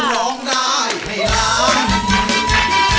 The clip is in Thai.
ร้องได้ให้ล้านบนเวทีเลยค่ะ